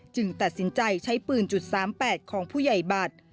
ตัดสินใจใช้ปืน๓๘ของผู้ใหญ่บัตร